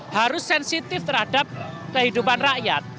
harus sensitif terhadap kehidupan rakyat